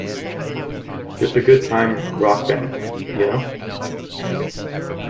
Just a good-time rock band, y'know?